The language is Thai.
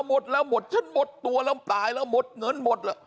หมดแล้วหมดฉันหมดตัวแล้วตายแล้วหมดเงินหมดแล้ว